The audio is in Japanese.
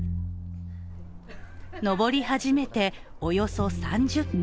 登り始めておよそ３０分